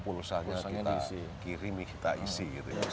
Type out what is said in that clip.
pulsanya kita kirim kita isi